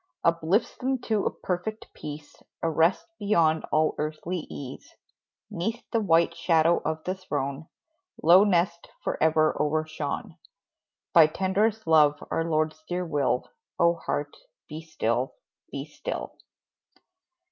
Uplifts them to a perfect peace, A rest beyond all earthly ease, 'Neath the white shadow of the throne Low nest forever overshone By tenderest love, our Lord's dear will; Oh, heart, be still be still!